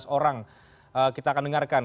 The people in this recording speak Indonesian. orang kita akan dengarkan